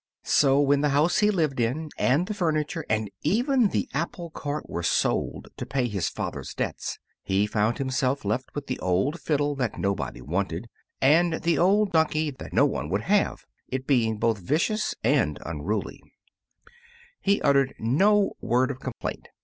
So, when the house he lived in, and the furniture, and even the apple cart were sold to pay his father's debts, and he found himself left with the old fiddle that nobody wanted and the old donkey that no one would have it being both vicious and unruly he uttered no word of complaint.